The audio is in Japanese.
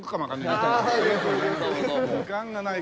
時間がないから。